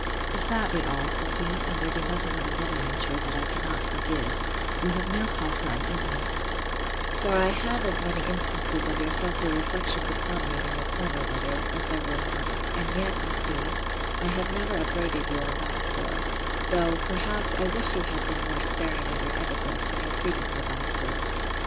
If that be all, said he, and there be nothing of another nature, that I cannot forgive, you have no cause for uneasiness; for I had as many instances of your saucy reflections upon me in your former letters, as there were lines; and yet, you see, I have never upbraided you on that score; though, perhaps, I wished you had been more sparing of your epithets, and your freedoms of that sort.